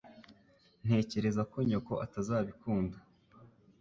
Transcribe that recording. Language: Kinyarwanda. Ntekereza ko nyoko atazabikunda